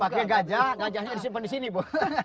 pakai gajah gajahnya disimpan disini bu